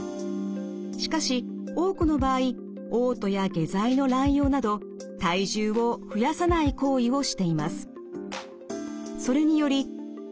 しかし多くの場合おう吐や下剤の乱用など体重を増やさない行為をしています。